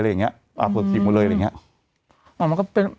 อะไรอย่างเงี้ยอ่าฉีกหมดเลยอะไรอย่างเงี้ยอ๋อมันก็เป็น